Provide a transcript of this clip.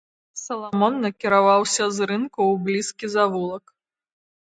Саламон накіраваўся з рынку ў блізкі завулак.